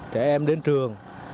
trẻ em đến trường